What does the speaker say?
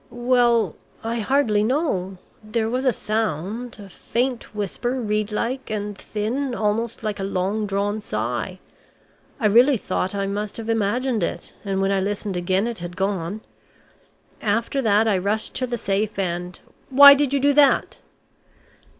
"Well I hardly know. There was a sound a faint whisper, reedlike and thin, almost like a long drawn sigh. I really thought I must have imagined it, and when I listened again it had gone. After that I rushed to the safe and " "Why did you do that?"